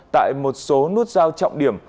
tại một số nút giao trọng điểm